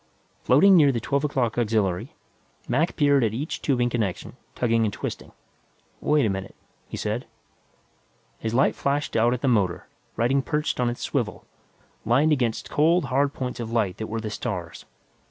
Floating near the twelve o'clock auxiliary, Mac peered at each tubing connection, tugging and twisting. "Wait a minute," he said. His light flashed out at the motor, riding perched on its swivel, limned against cold, hard points of light that were the stars.